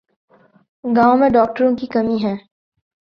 گاؤں میں ڈاکٹروں کی کمی ہے